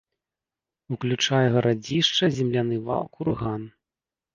Уключае гарадзішча, земляны вал, курган.